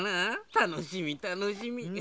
たのしみたのしみウハハ。